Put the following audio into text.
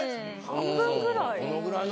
半分ぐらい。